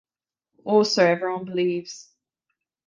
Or so everyone believes.